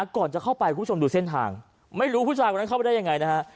ก่อนจะเข้าไปคุณผู้ชมดูเส้นทางไม่รู้ผู้ชายคนนั้นเข้าไปได้ยังไงนะฮะ